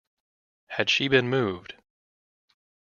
Had she been moved?